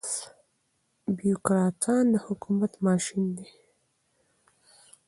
بيوکراتان د حکومت ماشين دي.